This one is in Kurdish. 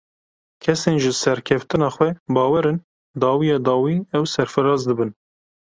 Kesên ji serkeftina xwe bawer in, dawiya dawî ew serfiraz dibin.